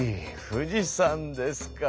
富士山ですか。